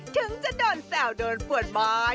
ทึ่งจะโดนแสวโดนปวดบ้าย